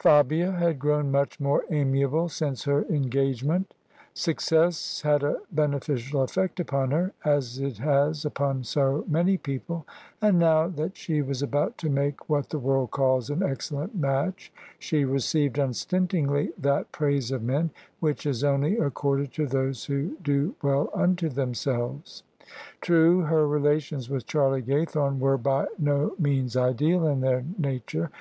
Fabia had grown much more amiable since her engage ment: success had a beneficial eifect upon her, as it has upon so many people : and now that she was about to make what the world calls an excellent match, she received unstintingly that praise of men which is only accorded to those who do well unto themselves. True, her relations with Charlie Gaythorne were by no means ideal in their nature.